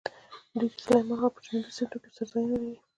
دوی د سلیمان غره په جنوبي څنډو کې څړځایونه لري.